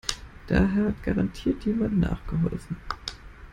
Da hat garantiert jemand nachgeholfen.